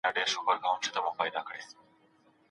ماشومانو د کوهي په شاوخوا کې د بزګر د کار ننداره کوله.